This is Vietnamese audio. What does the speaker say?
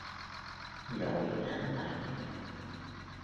nỗi ám ảnh